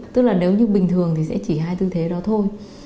tức là nếu như bình thường thì sẽ chỉ hai tư thế đó thôi